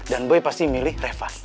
dan boy pasti milih reva